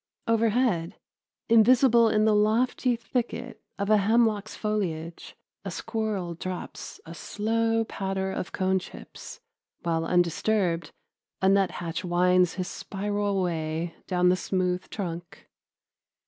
Overhead, invisible in the lofty thicket of a hemlock's foliage, a squirrel drops a slow patter of cone chips, while undisturbed a nuthatch winds his spiral way down the smooth trunk.